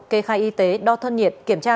kê khai y tế đo thân nhiệt kiểm tra